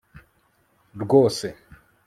rwose